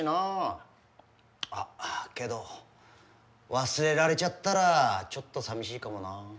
あっけど忘れられちゃったらちょっとさみしいかもな。